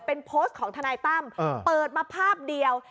เป็นโพสต์ของทนายตั้มเปิดมาภาพเดียว